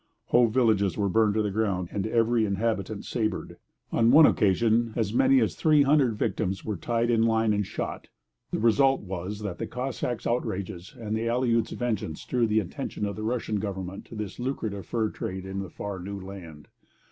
Whole villages were burned to the ground and every inhabitant sabred. On one occasion, as many as three hundred victims were tied in line and shot. The result was that the Cossacks' outrages and the Aleuts' vengeance drew the attention of the Russian government to this lucrative fur trade in the far new land.